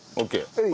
はい。